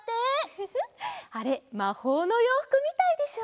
フフッあれまほうのようふくみたいでしょ？